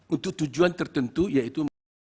untuk tujuan tertentu yaitu